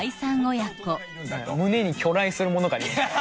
親子胸に去来するものがありました。